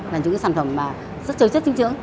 là những sản phẩm rất châu chất trứng trưởng